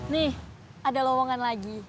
nih ada lowongan lagi